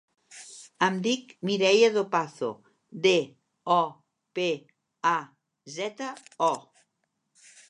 Em dic Mireia Dopazo: de, o, pe, a, zeta, o.